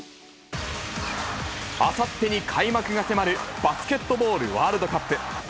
あさってに開幕が迫るバスケットボールワールドカップ。